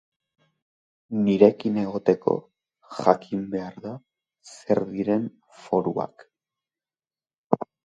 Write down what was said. Nirekin egoteko jakin behar da zer diren foruak...